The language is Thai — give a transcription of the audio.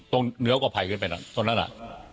ตรงเหนือก็ไผ่ขึ้นไปนะตรงนั้นอ่ะ